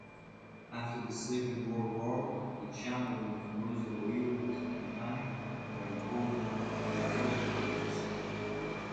After the Second World War, the channeling of the Moselle River was accompanied by important archeological digs.